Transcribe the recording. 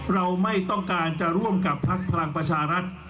เราไม่ต้องการจะร่วมกับพักพลังประชารัฐ